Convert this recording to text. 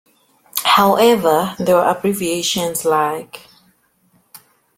However, there were abbreviations like ?